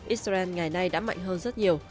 israel ngày nay đã mạnh hơn rất nhiều